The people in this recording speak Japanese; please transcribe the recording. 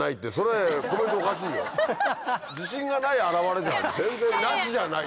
自信がない表れじゃん